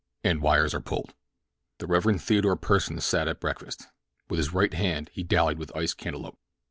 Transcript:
— AND WIRES ARE PULLED The Rev. Theodore Pursen sat at breakfast. With his right hand he dallied with iced cantaloupe.